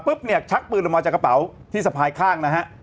เนี่ยชักปืนออกมาจากกระเป๋าที่สะพายข้างนะฮะ